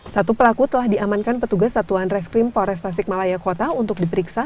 satu pelaku telah diamankan petugas satuan reskrim pores tasikmalaya kota untuk diperiksa